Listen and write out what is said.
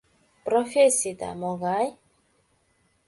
— Профессийда могай?